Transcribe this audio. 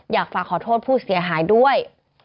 อยากฝากขอโทษผู้เสียหายด้วย